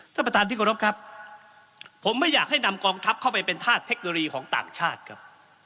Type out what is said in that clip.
ท่านประธานที่กรบครับผมไม่อยากให้นำกองทัพเข้าไปเป็นธาตุเทคโนโลยีของต่างชาติครับ